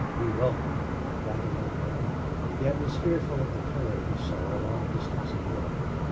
He welcomed the gathering momentum, yet was fearful of the curve he saw a long distance ahead.